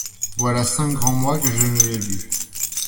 Voilà cinq grands mois que je ne l'ai vue.